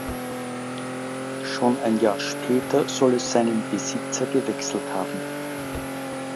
Schon ein Jahr später soll es seinen Besitzer gewechselt haben.